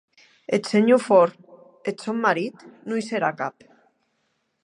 Eth senhor Ford, eth sòn marit, non i serà cap.